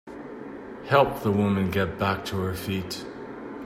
Help the woman get back to her feet.